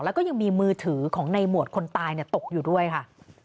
แล้วก็ยังมีมือถือของในหมวดคนตายตกอยู่ด้วยค่ะ